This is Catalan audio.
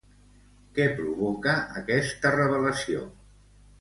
Què provoca aquesta revelació?